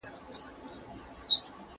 جهاني رامعلومېږي د شفق له خوني سترګو